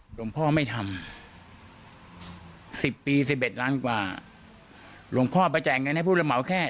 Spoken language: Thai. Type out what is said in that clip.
หลวงพ่อไม่ทำ๑๐ปี๑๑ล้านกว่าหลวงพ่อไปแจ่งเงินให้ผู้ระเหมาแค่